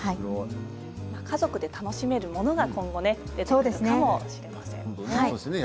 家族で楽しめるものが今後、出てくるかもしれませんね。